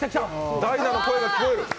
ダイナの声が聞こえる！